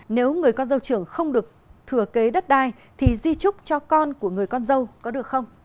nếu người con dâu trưởng không được thừa kế đất đai thì di trúc cho con của người con dâu có được không